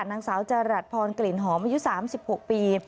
นางสาวจรัสพรกลิ่นหอมอายุสามสิบหกปี